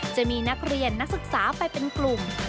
จะมีนักเรียนนักศึกษาไปเป็นกลุ่ม